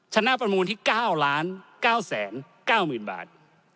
ชนะประมูลที่๙ล้าน๙แสน๙หมื่นบาท